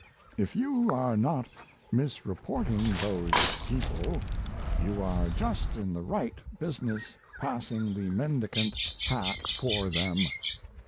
If you are not misreporting those "people" you are just in the right business passing the mendicant hat for them.